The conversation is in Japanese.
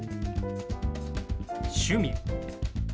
「趣味」。